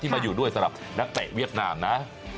มาอยู่ด้วยสำหรับนักเตะเวียดนามนะ